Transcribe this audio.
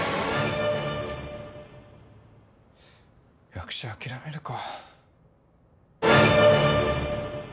役者諦めるか。